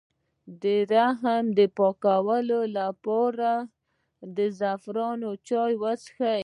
د رحم د پاکوالي لپاره د زعفران چای وڅښئ